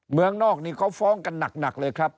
เมืองนอกนี่เขาฟ้องกันหนักเลยครับ